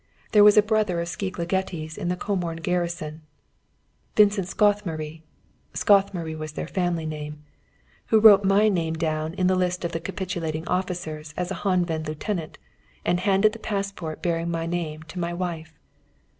There was a brother of Szigligeti's in the Comorn garrison, Vincent Szathmary (Szathmary was their family name), who wrote my name down in the list of the capitulating officers as a Honved lieutenant, and handed the passport bearing my name to my wife.